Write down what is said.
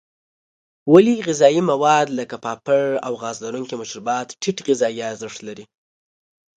ولې غذایي مواد لکه پاپړ او غاز لرونکي مشروبات ټیټ غذایي ارزښت لري.